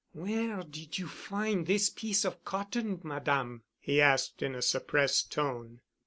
"Where did you find this piece of cotton, Madame?" he asked in a suppressed tone.